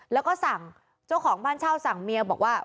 แล้วก็สั่งเจ้าของบ้านเช่าสั่งเมียบอกว่า